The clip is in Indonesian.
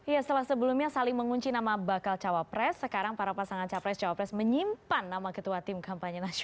ya setelah sebelumnya saling mengunci nama bakal cawapres sekarang para pasangan capres cawapres menyimpan nama ketua tim kampanye nasional